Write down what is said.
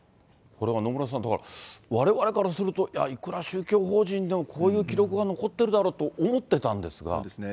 これは野村さん、だから、われわれからすると、いや、いくら宗教法人でもこういう記録は残ってるだろうって、思ってたそうですね、